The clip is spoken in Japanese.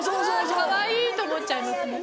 かわいいと思っちゃいます。